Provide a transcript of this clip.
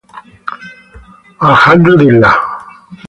میرے پاس نیا بستر ہے۔